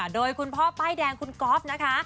โดยคุณพ่อป้ายแดงคุณก๊อฟนะคะ